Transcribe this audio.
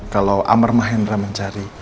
kalo amar mahendra mencari